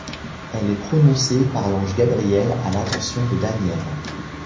Elle est prononcée par l'ange Gabriel à l'attention de Daniel.